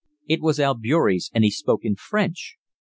It was Albeury's, and he spoke in French.